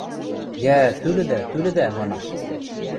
– Йӓ, тӱлӹдӓ, тӱлӹдӓ, – манеш.